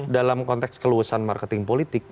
dalam konteks keluasan marketing politik